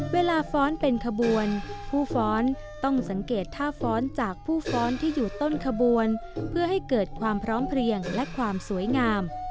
ฟ้อนเป็นขบวนผู้ฟ้อนต้องสังเกตท่าฟ้อนจากผู้ฟ้อนที่อยู่ต้นขบวนเพื่อให้เกิดความพร้อมเพลียงและความสวยงาม